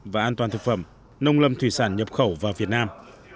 và an toàn thực phẩm nông lâm thủy sản nhập khẩu vào việt nam